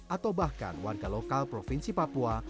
atau bahkan warga lokal provinsi papua